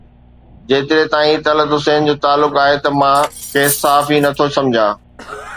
جيتري تائين طلعت حسين جو تعلق آهي ته مان کيس صحافي نٿو سمجهان